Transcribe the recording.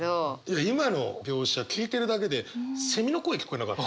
今の描写聞いてるだけでセミの声聞こえなかった？